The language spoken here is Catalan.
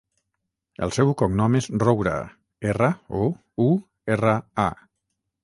El seu cognom és Roura: erra, o, u, erra, a.